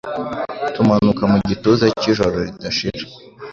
Tumanuka mu gituza cy'ijoro ridashira